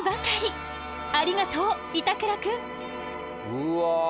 うわ。